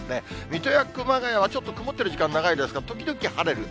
水戸や熊谷は、ちょっと曇ってる時間長いですが、時々晴れる。